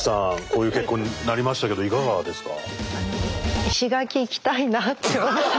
こういう結果になりましたけどいかがですか？